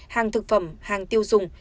hàng thực phẩm hàng tiêu dùng